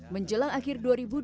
menjelang akhir dua ribu dua puluh